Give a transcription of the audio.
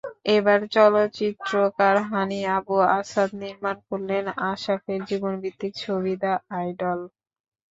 এবার চলচ্চিত্রকার Hany Abu Assad নির্মাণ করলেন আসাফের জীবনভিত্তিক ছবি দ্য আইডল।